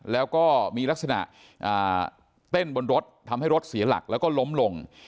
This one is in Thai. แล้วก็มีลักษณะเต้นบนรถทำให้รถเสียหลักแล้วก็ล้มลง